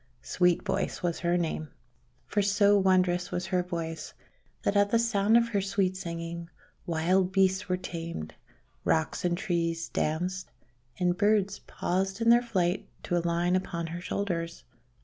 Sweet Voice was her name, for so wondrous was her voice that at the sound of her sweet singing, wild beasts were tamed, rocks and trees danced, and birds paused in their flight to alight upon her shoulders.